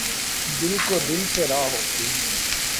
دل کو دل سے راہ ہوتی ہے